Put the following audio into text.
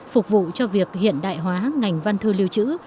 phục vụ cho việc hiện đại hóa ngành văn thư lưu trữ